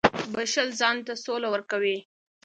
• بښل ځان ته سوله ورکوي.